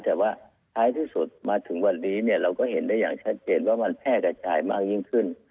แต่ว่าท้ายที่สุดมาถึงวันนี้เนี่ยเราก็เห็นได้อย่างชัดเจนว่ามันแพร่กระจายมากยิ่งขึ้น